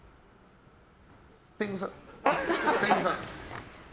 天狗さん。